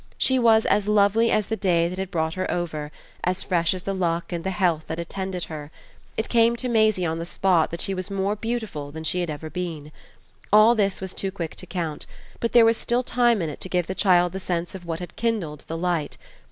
She was as lovely as the day that had brought her over, as fresh as the luck and the health that attended her: it came to Maisie on the spot that she was more beautiful than she had ever been. All this was too quick to count, but there was still time in it to give the child the sense of what had kindled the light.